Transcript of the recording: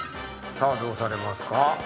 さあどうされますか？